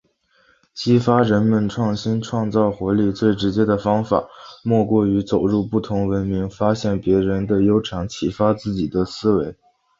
激发人们创新创造活力，最直接的方法莫过于走入不同文明，发现别人的优长，启发自己的思维。